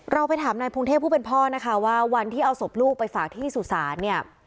เราไปถามนายพงเทพผู้เป็นพ่อนะคะว่าวันที่เอาศพลูกไปฝากที่สุสานเนี่ย